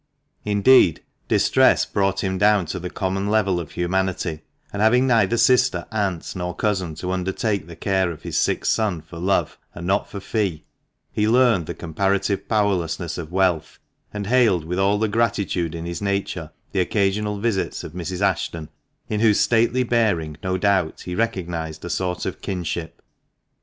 Indeed, distress brought him down to the common level of humanity, and having neither sister, aunt, nor cousin to undertake the care of his sick son for love, and not for fee, he learned the comparative powerlessness of wealth, and hailed with all the gratitude in his nature the occasional visits of Mrs. Ashton, in whose stately bearing, no doubt, he recognised a sort of kinship.